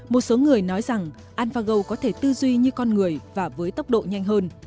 một số người nói rằng alvao có thể tư duy như con người và với tốc độ nhanh hơn